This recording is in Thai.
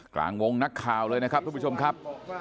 กลางวงนักข่าวเลยนะครับทุกผู้ชมครับ